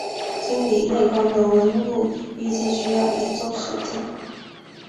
清理内棺的文物预计需要一周时间。